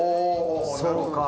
そうか。